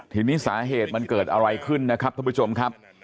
ทีนี้สาเหตุมันเกิดอะไรขึ้นนะครับท่านผู้ชมครับ